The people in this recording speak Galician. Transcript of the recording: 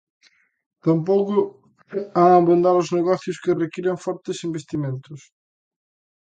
Tampouco han abondar os negocios que requiran fortes investimentos.